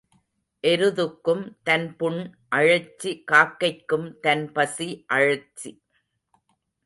எருதுக்கும் தன் புண் அழற்சி காக்கைக்கும் தன் பசி அழற்சி.